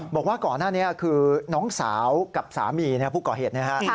บอกว่าก่อนหน้านี้คือน้องสาวกับสามีผู้ก่อเหตุนะฮะ